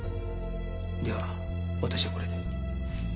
では私はこれで。